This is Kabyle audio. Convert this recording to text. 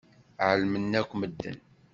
Ɛelmen akk medden.